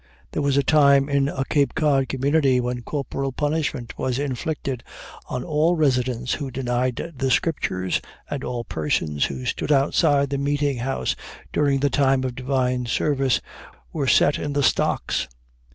There was a time in a Cape Cod community when corporal punishment was inflicted on all residents who denied the Scriptures, and all persons who stood outside the meeting house during the time of divine service were set in the stocks.